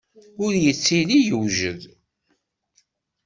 Ur yettili yewjed.